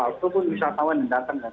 ataupun wisatawan yang datang